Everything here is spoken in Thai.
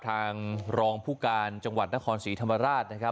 ทางรองผู้การจังหวัดณฮศรีธรรมราช